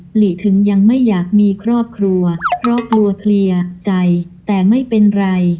หลีถึงยังไม่อยากมีครอบครัวเพราะกลัวเคลียร์ใจแต่ไม่เป็นไร